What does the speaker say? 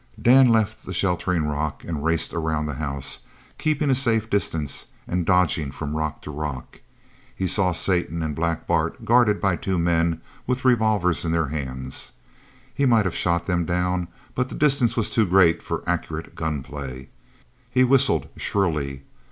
Dan left the sheltering rock and raced around the house, keeping a safe distance, and dodging from rock to rock. He saw Satan and Black Bart guarded by two men with revolvers in their hands. He might have shot them down, but the distance was too great for accurate gun play. He whistled shrilly.